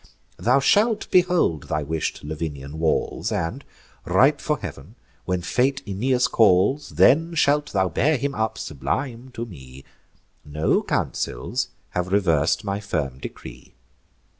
Thou shalt behold thy wish'd Lavinian walls; And, ripe for heav'n, when fate Aeneas calls, Then shalt thou bear him up, sublime, to me: No councils have revers'd my firm decree.